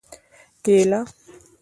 🍌کېله